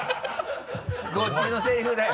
こっちのセリフだよ。